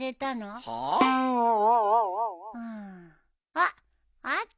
あっ！あった。